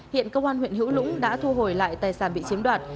hiện công an huyện hữu lũng đã thu hồi lại tài sản bị chiếm đoạt